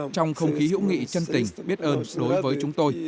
trong không khí hữu nghị chân tình biết ơn đối với chúng tôi